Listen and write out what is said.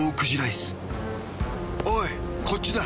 おいこっちだ。